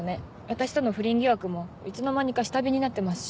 私との不倫疑惑もいつの間にか下火になってますし。